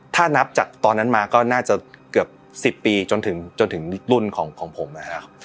ถ้านับจากตอนนั้นมาก็น่าจะเกือบ๑๐ปีจนถึงรุ่นของผมนะครับ